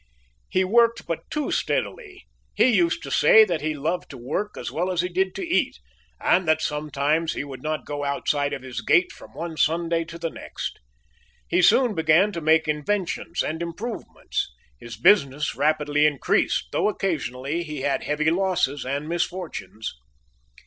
He worked but too steadily. He used to say that he loved to work as well as he did to eat, and that sometimes he would not go outside of his gate from one Sunday to the next. He soon began to make inventions and improvements. His business rapidly increased, though occasionally he had heavy losses and misfortunes.